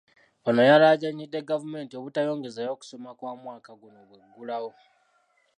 Ono yalaajanidde gavumenti obutayongezaayo kusoma kwa mwaka guno bw'eggulawo.